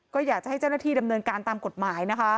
ก็อยากจะให้เจ้าหน้าที่เรียบรรณญเนินการตามกฎหมาย